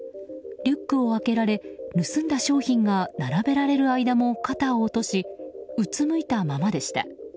リュックを開けられ盗んだ商品が並べられる間も肩を落としうつむいたままでした。